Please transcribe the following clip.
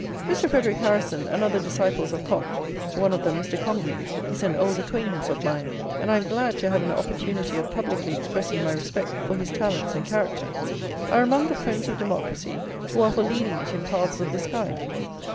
Mr. Frederic Harrison and other disciples of Comte, one of them, Mr. Congreve, is an old acquaintance of mine, and I am glad to have an opportunity of publicly expressing my respect for his talents and character, are among the friends of democracy who are for leading it in paths of this kind.